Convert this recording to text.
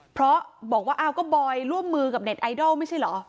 เพราะบอกว่าอ้าวก็บอยร่วมมือกับเน็ตไอดอลไม่ใช่เหรอ